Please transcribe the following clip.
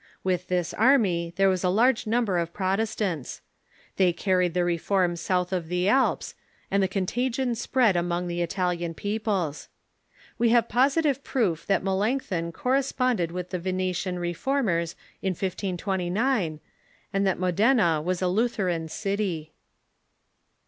With this army there was a large number of Protestants. They carried the Reform south of the Alps, and the contagion spread among the Italian peoples. We have positive proof that Melanchthon corre sponded with the Venetian Reformers in 1529, and that Modena was a Lutheran city.